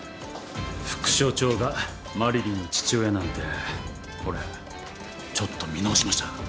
副署長がマリリンの父親なんて俺ちょっと見直しました。